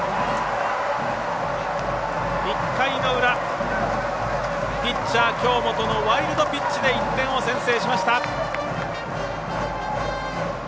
１回の裏、ピッチャー京本のワイルドピッチで１点を先制しました。